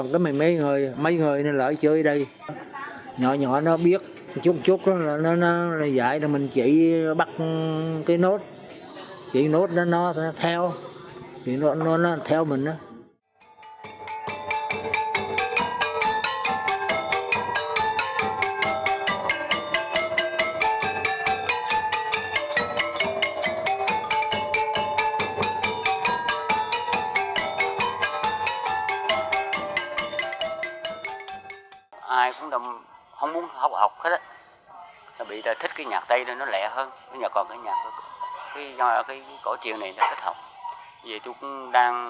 khu vực của mình bây giờ gửi mấy mấy người hả